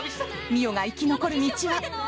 澪が生き残る道は。